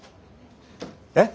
えっ？